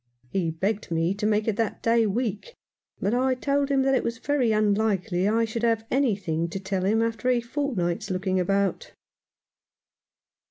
He begged me to make it that day week, but I told him that it was very unlikely I should have any thing to tell him after a fortnight's looking about.